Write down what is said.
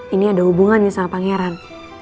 ini ada hubungannya sama pangeran